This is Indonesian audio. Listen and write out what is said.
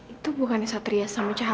itu bukannya satria sama cahaya